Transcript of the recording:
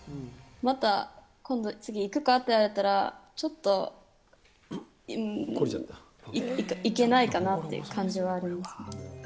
また今度、次行くかって言われたら、ちょっと行けないかなっていう感じはあるんですね。